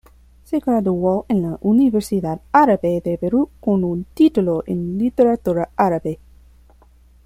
Se graduó en la Universidad Árabe de Beirut con un título en literatura árabe.